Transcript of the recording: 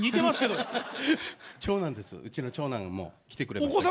うちの長男も来てくれまして。